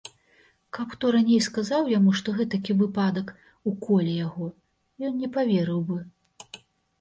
Каб хто раней сказаў яму, што гэтакі выпадак уколе яго, ён не паверыў бы.